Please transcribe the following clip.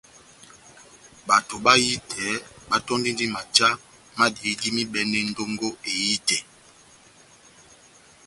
Bato bahitɛ batɔ́ndindi majá ma dihidi m'ibɛne ndongo ehitɛ.